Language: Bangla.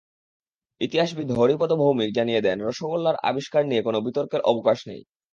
ইতিহাসবিদ হরিপদ ভৌমিক জানিয়ে দেন, রসগোল্লার আবিষ্কার নিয়ে কোনো বিতর্কের অবকাশ নেই।